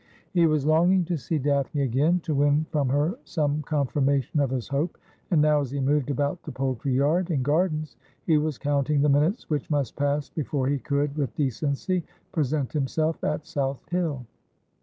He was longing to see Daphne again, to win from her some confirmation of his hope ; and now as he moved about the poultry yard and gardens he was counting the minutes which must pass before he could with decency present himself at South Hill.